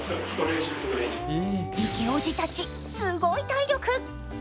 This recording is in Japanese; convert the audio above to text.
イケオジたち、すごい体力。